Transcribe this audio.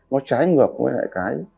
nó trái ngược với lại cái